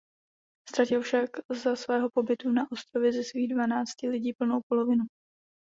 Ztratil však za svého pobytu na ostrově ze svých dvanácti lidí plnou polovinu.